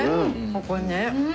ここね。